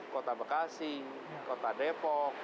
kota bekasi kota depok